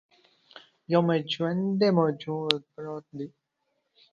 یو مړ ژواندی موجود پروت دی.